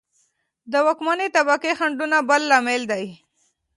د واکمنې طبقې خنډونه بل لامل دی